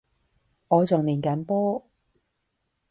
我仲練緊波